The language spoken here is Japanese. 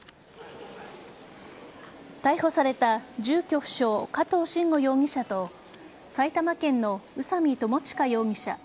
逮捕された住居不詳加藤臣吾容疑者と埼玉県の宇佐美巴悠容疑者